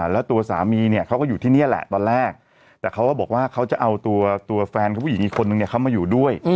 แล้วตัวสามีเนี่ยเขาก็อยู่ที่นี่แหละตอนแรกแต่เขาก็บอกว่าเขาจะเอาตัวแฟนของผู้หญิงอีกคนนึงเข้ามาอยู่ด้วย